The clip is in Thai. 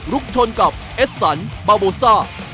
ชนกับเอสสันบาโบซ่า